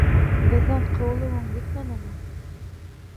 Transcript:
Беҙҙән ҡыуылыуың етмәнеме?